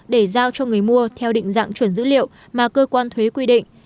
để giao cho người mua theo định dạng chuẩn dữ liệu mà cơ quan thuế quy định